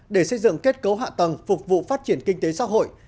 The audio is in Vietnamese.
để xây dựng kết cấu hạ tầng phục vụ phát triển kinh tế xã hội